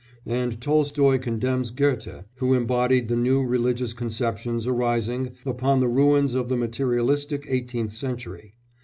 And Tolstoy condemns Goethe, who embodied the new religious conceptions arising upon the ruins of the materialistic eighteenth century.